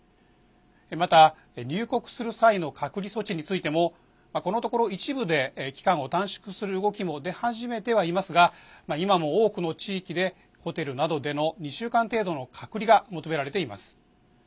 また、入国する際の隔離措置についてもこのところ一部で期間を短縮する動きも出始めてはいますが今も多くの地域でホテルなどでの２週間程度の隔離が求められています。